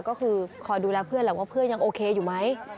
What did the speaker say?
ก็คือคอยดูแลเพื่อนแหละว่าเพื่อนยังโอเคอยู่ไหม